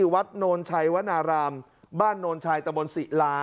วัดโนนชัยวนารามบ้านโนนชัยตะบนศิลา